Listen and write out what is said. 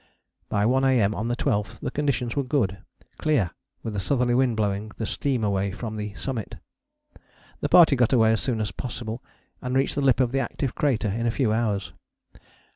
By 1 A.M. on the 12th the conditions were good clear, with a southerly wind blowing the steam away from the summit. The party got away as soon as possible and reached the lip of the active crater in a few hours.